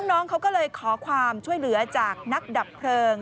น้องเขาก็เลยขอความช่วยเหลือจากนักดับเพลิง